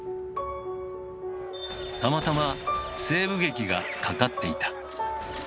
たまたま西部劇がかかっていた。